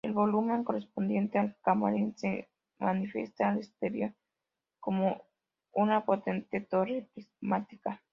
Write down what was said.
El volumen correspondiente al camarín se manifiesta al exterior como una potente torre prismática.